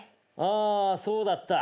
あそうだった。